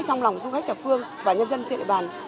trong lòng du khách thập phương và nhân dân trên địa bàn